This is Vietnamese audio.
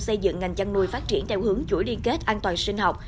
xây dựng ngành chăn nuôi phát triển theo hướng chuỗi liên kết an toàn sinh học